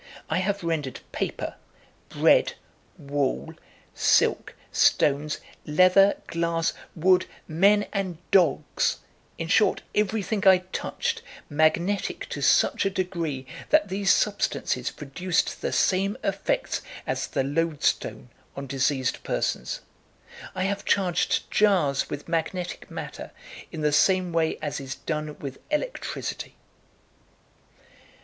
I have rendered paper, bread, wool, silk, stones, leather, glass, wood, men, and dogs in short, every thing I touched, magnetic to such a degree, that these substances produced the same effects as the loadstone on diseased persons. I have charged jars with magnetic matter in the same way as is done with electricity."